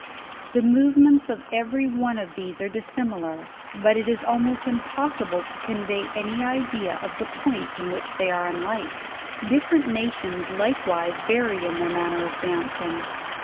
The movements of every one r>f thes e are dissimilar; but it is almoct impossible to convey any idea of the points in which they are unlike. Different nations likewise vary in their manner of dancing.